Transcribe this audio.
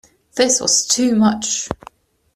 This was too much.